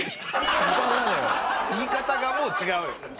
言い方がもう違うよ。